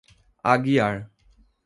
Aguiar